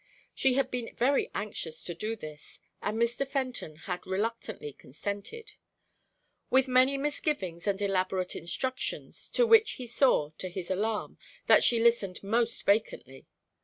She had been very anxious to do this, and Mr. Fenton had reluctantly consented, with many misgivings and elaborate instructions, to which he saw, to his alarm, that she listened almost vacantly.